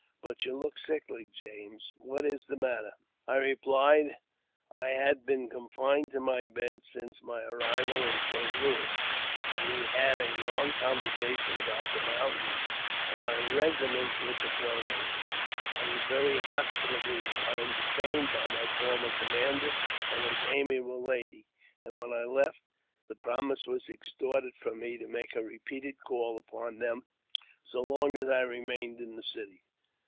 But you look sickly, James ; what is the matter ?" I replied, " I had been confined to my bed since my arrival in St. Louis." We had a long co nversation about the mountains and my residence with the Crow nation. I was very hospitably enter ■ tained by my former commander and his amiable lady, and jwhen I left, the promise was extorted from me to make 'repeated calls upon them so long as I remained in the city.